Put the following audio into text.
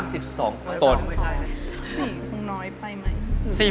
๔มันน้อยไปไหม